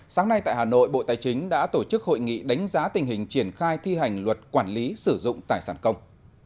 sáng nay tại hà nội bộ tài chính đã tổ chức hội nghị đánh giá tình hình triển khai thi hành luật quản lý sử dụng tài sản công